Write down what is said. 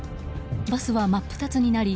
バスは真っ二つになり